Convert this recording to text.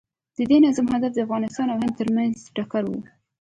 د دې تنظیم هدف د افغانستان او هند ترمنځ ټکر و.